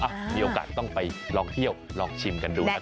มีโอกาสต้องไปลองเที่ยวลองชิมกันดูนะครับ